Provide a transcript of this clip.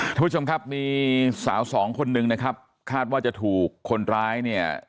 ท่านผู้ชมครับมีสาวสองคนนึงนะครับคาดว่าจะถูกคนร้ายเนี่ย